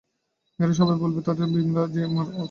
মেয়েরা সবাই বললে, তা হবেই তো, বিমলা যে ওর মায়ের মতো দেখতে।